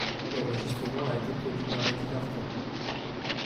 L'enregistrement a été produit par Eddie Vartan.